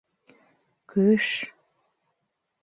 — Кө-өш!